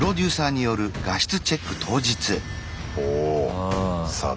ほおさあ